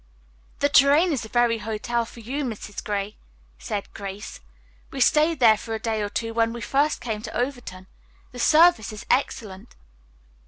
"The 'Tourraine' is the very hotel for you, Mrs. Gray," said Grace. "We stayed there for a day or two when we first came to Overton. The service is excellent."